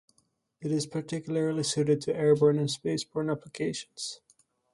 It is particularly suited to airborne and spaceborne applications.